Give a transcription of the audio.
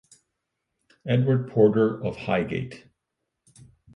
Edward Porter of Highgate.